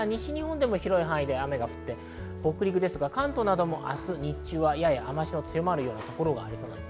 西日本でも広い範囲で雨が降って、北陸や関東なども明日、日中は雨脚が強まる所がありそうです。